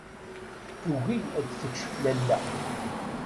Tugi ad tečč lalla.